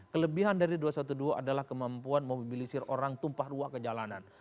kelebihan dari dua ratus dua belas adalah kemampuan memobilisir orang tumpah ruah ke jalanan